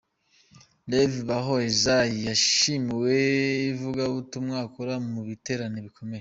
Rev Baho Isaie yashimiwe ivugabutumwa akora mu biterane bikomeye.